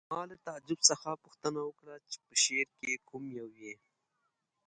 ما له تعجب څخه پوښتنه وکړه چې په شعر کې کوم یو یې